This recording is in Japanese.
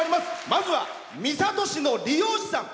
まずは、三郷市の理容師さん。